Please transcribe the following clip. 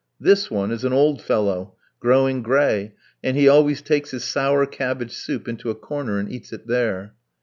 This one is an old fellow, growing gray, and he always takes his sour cabbage soup into a corner, and eats it there.